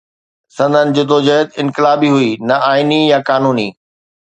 سندن جدوجهد انقلابي هئي نه آئيني يا قانوني.